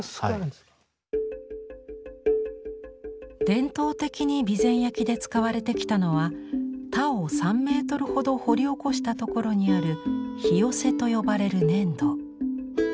伝統的に備前焼で使われてきたのは田を３メートルほど掘り起こしたところにある「ひよせ」と呼ばれる粘土。